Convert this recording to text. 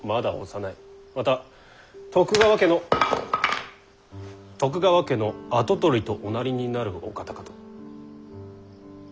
また徳川家の徳川家の跡取りとおなりになるお方かと。